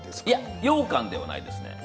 ようかんではないですね。